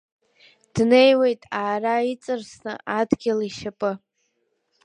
Днеиуеит аара иҵарсны адгьыл ишьапы.